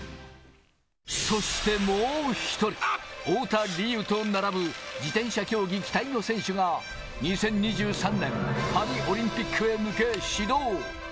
そしてもう一人、太田りゆと並ぶ自転車競技期待の選手が２０２３年、パリオリンピックへ向け始動。